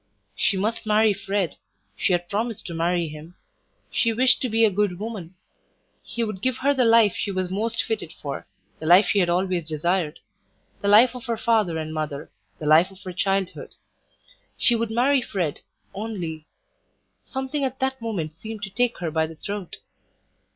She must marry Fred; she had promised to marry him; she wished to be a good woman; he would give her the life she was most fitted for, the life she had always desired; the life of her father and mother, the life of her childhood. She would marry Fred, only something at that moment seemed to take her by the throat.